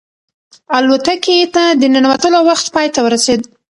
الوتکې ته د ننوتلو وخت پای ته ورسېد.